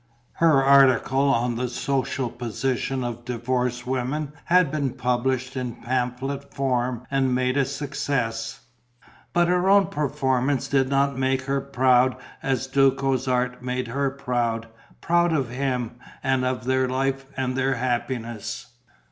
Her article on The Social Position of Divorced Women had been published in pamphlet form and made a success. But her own performance did not make her proud as Duco's art made her proud, proud of him and of their life and their happiness.